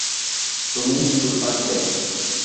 তুমি চুপ থাকবে?